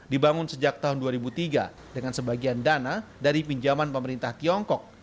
dibangun sejak tahun dua ribu tiga dengan sebagian dana dari pinjaman pemerintah tiongkok